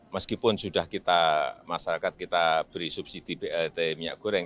meskipun sudah kita masyarakat kita beri subsidi blt minyak goreng